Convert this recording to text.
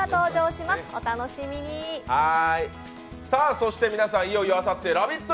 そして皆さんいよいよあさってＬＯＶＥＩＴ！